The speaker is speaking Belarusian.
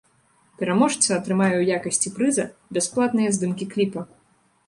Пераможца атрымае ў якасці прыза бясплатныя здымкі кліпа.